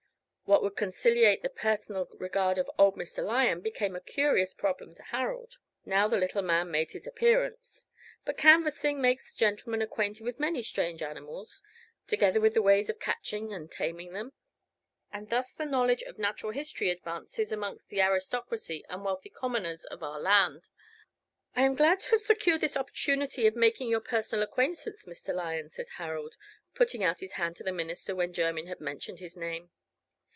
What would conciliate the personal regard of old Mr. Lyon became a curious problem to Harold, now the little man made his appearance. But canvassing makes a gentleman acquainted with many strange animals; together with the ways of catching and taming them; and thus the knowledge of natural history advances amongst the aristocracy and wealthy commoners of our land. "I am very glad to have secured this opportunity of making your personal acquaintance, Mr. Lyon," said Harold, putting out his hand to the minister when Jermyn had mentioned his name.